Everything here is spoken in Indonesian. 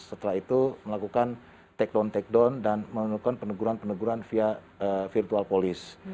setelah itu melakukan take down take down dan melakukan peneguran peneguran via virtual police